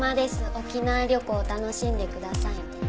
沖縄旅行楽しんでくださいね。